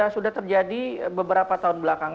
sudah terjadi beberapa tahun belakang